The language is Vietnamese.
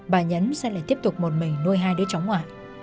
bà nhấn sẽ lại tiếp tục một mình nuôi hai đứa chóng ngoại